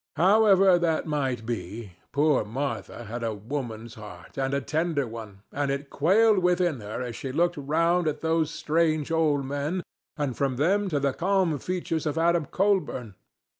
However that might be, poor Martha had a woman's heart, and a tender one, and it quailed within her as she looked round at those strange old men, and from them to the calm features of Adam Colburn.